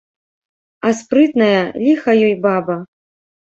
А спрытная, ліха ёй, баба.